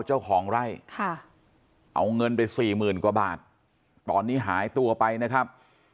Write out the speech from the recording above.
เจ้าของไร่ค่ะเอาเงินไปสี่หมื่นกว่าบาทตอนนี้หายตัวไปนะครับ